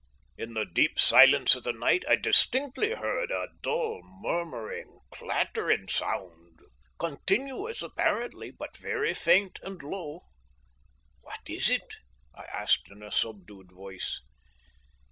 In the deep silence of the night I distinctly heard a dull, murmuring, clattering sound, continuous apparently, but very faint and low. "What is it?" I asked, in a subdued voice.